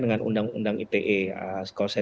dengan undang undang ite kalau saya